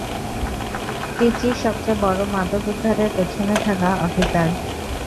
ত্রিচির সবচেয়ে বড়ো মাদক উদ্ধারের পেছনে থাকা অফিসার।